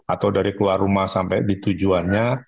atau dari keluar rumah sampai ditujuannya